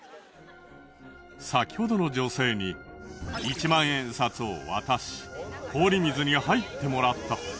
先ほどの女性に１万円札を渡し氷水に入ってもらった。